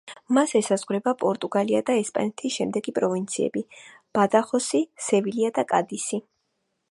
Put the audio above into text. მას ესაზღვრება პორტუგალია და ესპანეთის შემდეგი პროვინციები: ბადახოსი, სევილია და კადისი.